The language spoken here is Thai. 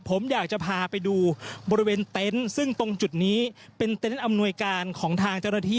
ผมอยากจะพาไปดูบริเวณเต็นต์ซึ่งตรงจุดนี้เป็นเต็นต์อำนวยการของทางเจ้าหน้าที่